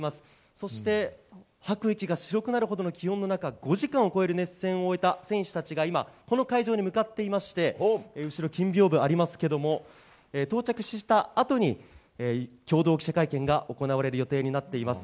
そして、吐く息が白くなるほどの気温の中５時間を超える熱戦を終えた選手たちが今この会場に向かっていまして後ろ金屏風がありますけれども到着したあとに共同記者会見が行われる予定になっています。